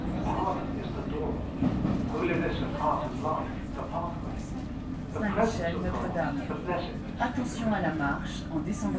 Pardon is the door ; holiness of heart and life the pathway ; the presence of God\he blessedness of the Christian life.